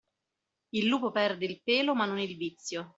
Il lupo perde il pelo ma non il vizio.